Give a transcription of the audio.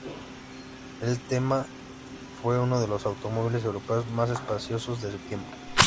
El Thema fue uno de los automóviles europeos más espaciosos de su tiempo.